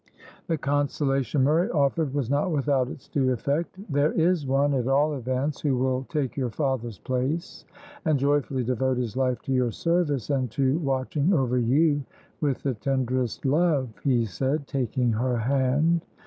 The consolation Murray offered was not without its due effect. "There is one, at all events, who will take your father's place, and joyfully devote his life to your service and to watching over you with the tenderest love," he said, taking her hand.